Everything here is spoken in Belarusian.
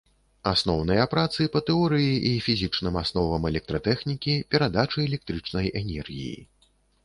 Асноўныя працы па тэорыі і фізічным асновам электратэхнікі, перадачы электрычнай энергіі.